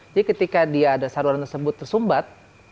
jadi ketika dia ada saruran tersebut tersumbat